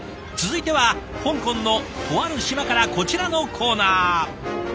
続いては香港のとある島からこちらのコーナー。